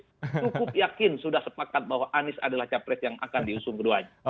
cukup yakin sudah sepakat bahwa anies adalah capres yang akan diusung keduanya